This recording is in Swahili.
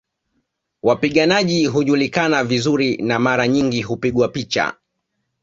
Wapiganaji hujulikana vizuri na mara nyingi hupigwa picha